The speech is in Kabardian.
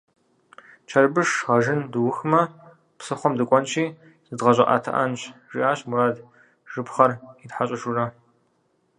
«Чэрбыш гъэжын дыухымэ, псыхъуэм дыкӏуэнщи зыдгъэщӏыӏэтыӏэнщ», жиӏащ Мурат, жыпхъэр итхьэщыжурэ.